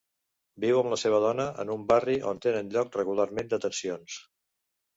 Viu amb la seva dona en un barri on tenen lloc regularment detencions.